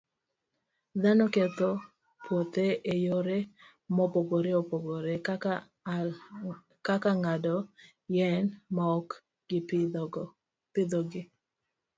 Dhano ketho puothe e yore mopogore opogore, kaka ng'ado yien maok gipidhogi.